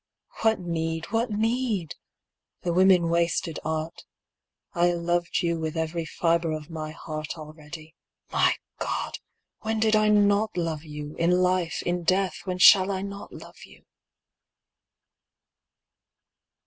What need, what need ? the women wasted art; I loved you with every fibre of my heart Already. My God ! when did I not love you, In life, in death, when shall I not love you?